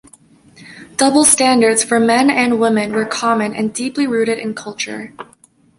Double standards for men and women were common and deeply rooted in culture.